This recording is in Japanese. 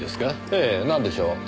ええなんでしょう？